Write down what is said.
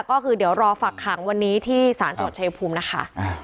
ก็คือเดี๋ยวรอฝักขังวันนี้ที่สารสนชายภูมินะคะ